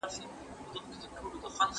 ¬ خر چي پر دانه مړ سي، شهيد دئ.